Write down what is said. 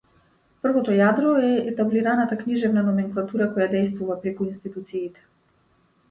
Првото јадро е етаблираната книжевна номенклатура која дејствува преку институциите.